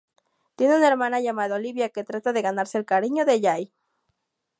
Tiene una hermana llamada Olivia que trata de ganarse el cariño de Jay.